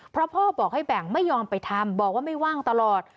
เพราะพ่อบอกให้แบ่งไม่ยอมไปทำบอกว่าไม่ว่างตลอด